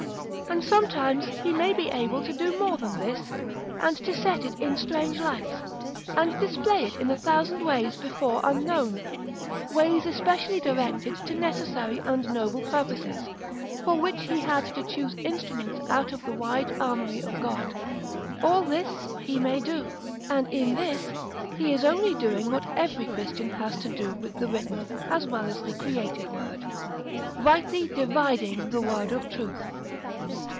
And sometimes he may be able to do more than this, and to set it in strange lights, and display it in a thousand ways before unknown: ways specially directed to necessary and noble purposes, for which he had to choose instruments out of the wide armory of God. All this he may do: and in this he is only doing what every Christian has to do with the written, as well as the created word, "rightly dividing the word of truth."